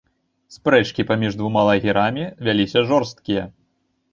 Спрэчкі паміж двума лагерамі вяліся жорсткія.